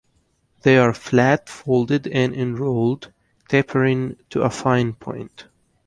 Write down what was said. They are flat, folded, and inrolled, tapering to a fine point.